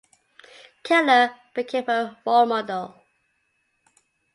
Keller became her role model.